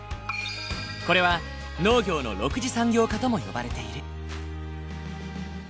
これは農業の６次産業化とも呼ばれている。